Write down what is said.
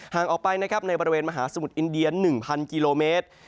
ห่างออกไปในบริเวณมหาสมุทรอินเดีย๑๐๐๐กิโลเมตร